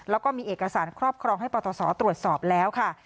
แล้วก็มีเอกสารครอบครองให้ปตศตรวจสอบแล้วค่ะ